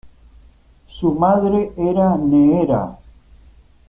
Su madre era Neera.